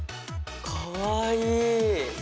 かわいい！